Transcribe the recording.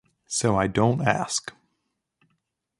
So I don't ask.